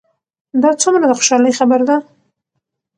دا څومره د خوشحالۍ خبر ده؟